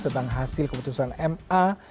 tentang hasil keputusan ma